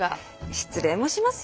失恋もしますよ。